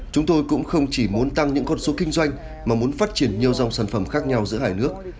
chúng tôi cũng không chỉ muốn tăng những con số kinh doanh mà muốn phát triển nhiều dòng sản phẩm khác nhau giữa hai nước